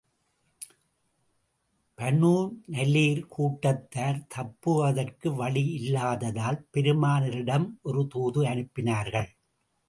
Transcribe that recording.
Banu நலீர் கூட்டத்தார் தப்புவதற்கு வழி இல்லாததால், பெருமானாரிடம் ஒரு தூது அனுப்பினார்கள்.